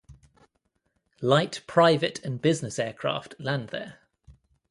Light private and business aircraft land there.